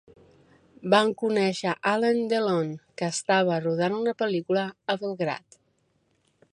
Van conèixer Alain Delon, que estava rodant una pel·lícula a Belgrad.